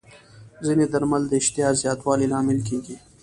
ځینې درمل د اشتها زیاتوالي لامل کېږي.